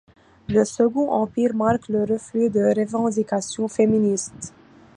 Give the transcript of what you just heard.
Le Second Empire marque le reflux des revendications féministes.